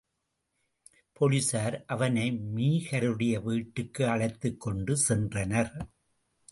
போலிஸார் அவனை மீகருடைய வீட்டுக்கு அழைத்துக்கொண்டு சென்றனர்.